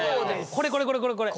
これこれこれこれこれ！